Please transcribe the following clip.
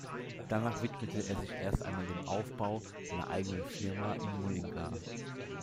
Danach widmete er sich erst einmal dem Aufbau einer eigenen Firma in Mullingar.